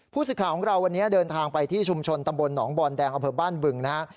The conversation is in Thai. ผู้ศึกษาของเราวันนี้เดินทางไปที่ชุมชนตำบลหนองบอลแดงอบบึงนะฮะ